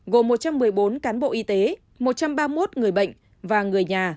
gồm một trăm một mươi bốn cán bộ y tế một trăm ba mươi một người bệnh và người nhà